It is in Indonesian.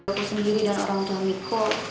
aku sendiri dan orang tua miko